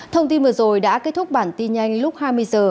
thông tin vừa rồi đã kết thúc bản tin nhanh lúc hai mươi h